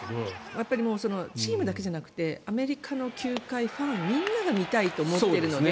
やっぱりチームだけじゃなくてアメリカの球界、ファンみんなが見たいと思っているので。